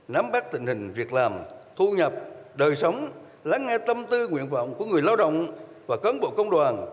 nắm bắt tình hình việc làm thu nhập đời sống lắng nghe tâm tư nguyện vọng của người lao động và cấn bộ công đoàn